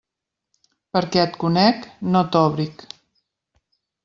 Perquè et conec, no t'òbric.